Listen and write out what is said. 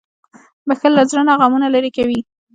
• بښل له زړه نه غمونه لېرې کوي.